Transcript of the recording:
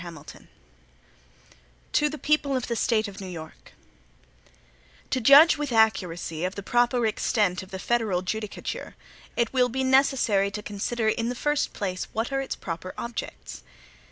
HAMILTON To the People of the State of New York: TO JUDGE with accuracy of the proper extent of the federal judicature, it will be necessary to consider, in the first place, what are its proper objects.